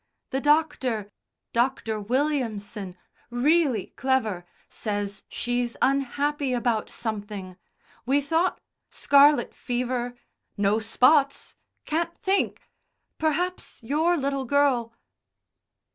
The Doctor Dr. Williamson really clever says she's unhappy about something. We thought scarlet fever no spots can't think perhaps your little girl."